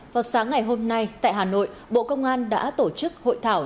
vào sáng ngày hôm nay tại hà nội bộ công an đã tổ chức hội thảo